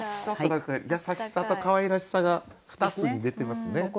ちょっと何か優しさとかわいらしさが「ふたつ」に出てますね。